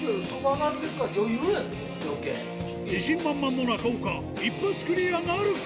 自信満々の中岡一発クリアなるか？